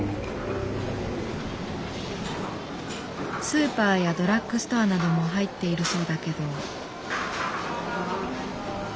スーパーやドラッグストアなども入っているそうだけど。